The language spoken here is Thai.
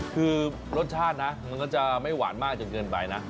คือรสชาตินะมันก็จะไม่หวานมากจนเกินไปนะ